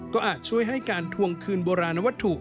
ก็อาจช่วยให้การทวงคืนโบราณวัตถุ